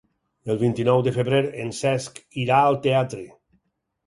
El vint-i-nou de febrer en Cesc irà al teatre.